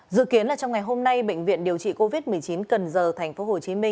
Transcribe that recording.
dự kiến trong ngày hôm nay bệnh viện điều trị covid một mươi chín cần giờ tp hcm